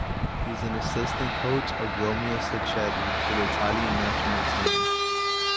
He is assistant coach of Romeo Sacchetti for the Italian national team.